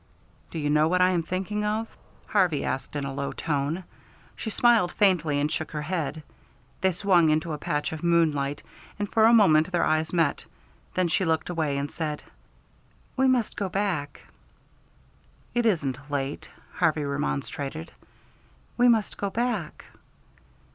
"Do you know what I am thinking of?" Harvey asked in a low tone. She smiled faintly and shook her head. They swung into a patch of moonlight, and for a moment their eyes met; then she looked away and said, "We must go back." "It isn't late," Harvey remonstrated. "We must go back."